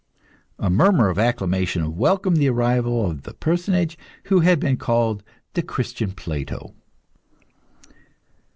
A murmur of acclamation welcomed the arrival of the personage who had been called the Christian Plato.